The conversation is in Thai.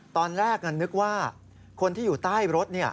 ตอนแรกนั้นนึกว่าคนที่อยู่ใต้รถเนี่ย